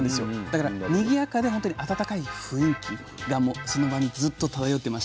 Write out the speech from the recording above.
だからにぎやかで温かい雰囲気がもうその場にずっと漂ってました。